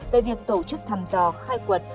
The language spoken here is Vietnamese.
về việc tổ chức thăm dò khai quật